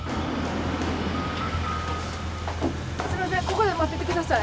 ここで待っててください。